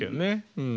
うん。